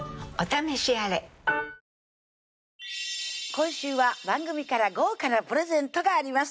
今週は番組から豪華なプレゼントがあります